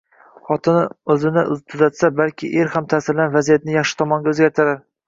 Xotin o‘zini tuzatsa, balki er ham ta’sirlanib vaziyatni yaxshi tomonga o‘zgartirar.